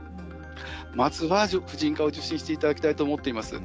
まずは、婦人科を受診していただきたいと思っています。